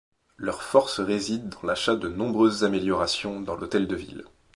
Leur force réside dans l'achat de nombreuses améliorations dans l'hôtel de ville.